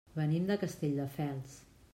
Venim de Castelldefels.